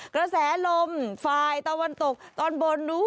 กระแสลมฟายตะวันตกตอนบน